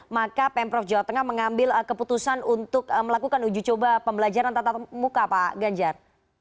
maka pemprov jawa tengah mengambil keputusan untuk melakukan uji coba pembelajaran tatap muka pak ganjar